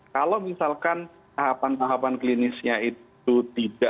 kalau misalkan tahapan tahapan klinisnya itu tidak